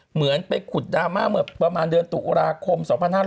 เหมือนไปขุดดราม่าเมื่อประมาณเดือนตุลาคม๒๕๕๙